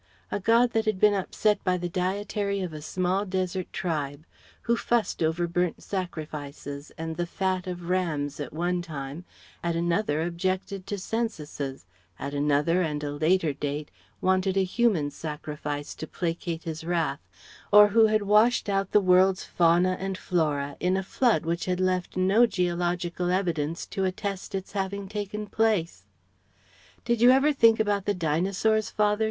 A God that had been upset by the dietary of a small desert tribe, who fussed over burnt sacrifices and the fat of rams at one time; at another objected to censuses; at another and a later date wanted a human sacrifice to placate his wrath; or who had washed out the world's fauna and flora in a flood which had left no geological evidence to attest its having taken place. "Did you ever think about the Dinosaurs, father?"